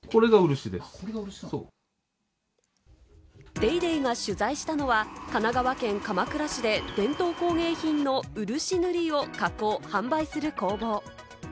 『ＤａｙＤａｙ．』が取材したのは、神奈川県鎌倉市で伝統工芸品の漆塗りを加工・販売する工房。